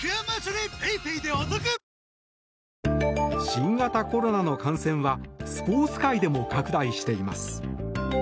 新型コロナの感染はスポーツ界でも拡大しています。